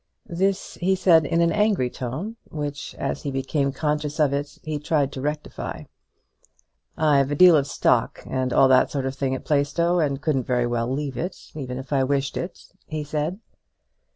This he said in an angry tone, which, as he became conscious of it, he tried to rectify. "I've a deal of stock and all that sort of thing at Plaistow, and couldn't very well leave it, even if I wished it," he said.